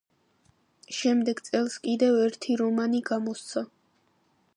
შემდეგ წელს კიდევ ერთი რომანი გამოსცა.